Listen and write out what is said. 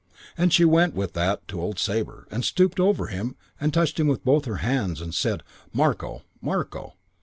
And she went with that to old Sabre and stooped over him and touched him with both her hands and said, 'Marko, Marko.'